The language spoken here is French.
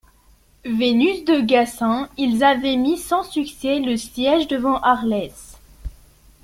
Venus de Gassin, ils avaient mis sans succès le siège devant Arles.